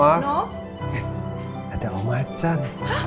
ada om ajan